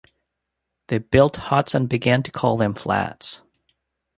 They built huts and began to call them flats.